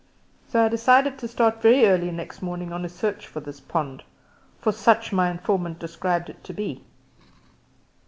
So I decided to start very early next morning on a search for this pond for such my informant described it to be.